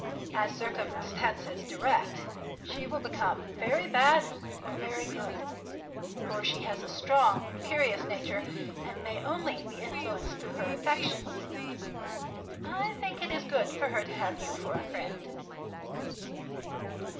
As circumstances direct she will become very bad or very good, for she has a strong, imperious nature and may only be influenced through her affections. I think it is good for her to have you for a friend."